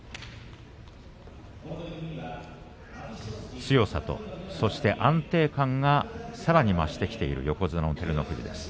強さと、そして安定感がさらに増してきている横綱照ノ富士